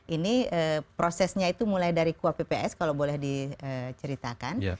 ini prosesnya itu mulai dari kuapps kalau boleh diceritakan